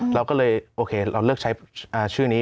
เราก็เลยโอเคเราเลือกใช้ชื่อนี้